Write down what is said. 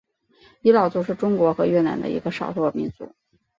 仡佬族是中国和越南的一个少数民族。